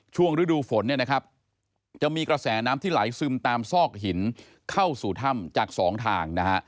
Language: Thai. ฤดูฝนเนี่ยนะครับจะมีกระแสน้ำที่ไหลซึมตามซอกหินเข้าสู่ถ้ำจากสองทางนะฮะ